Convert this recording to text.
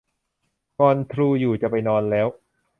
งอนทรูอยู่ จะไปนอนแล้ว